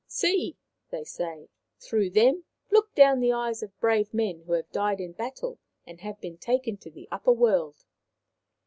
"See!" they say, "through them look down the eyes of brave men who have died in battle and have been taken to the upper world."